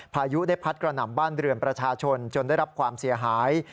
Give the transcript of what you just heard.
พายุได้พัดกระหน่ำบ้านเรือนประชาชนจนได้รับความเสียหาย